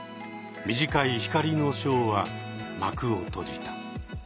短い光のショーは幕を閉じた。